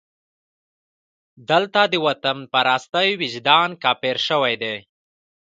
دلته د وطنپرستۍ وجدان کافر شوی دی.